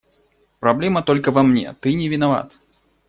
Проблема только во мне, ты не виноват.